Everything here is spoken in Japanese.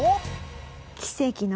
奇跡の。